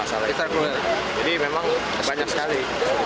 jadi memang banyak sekali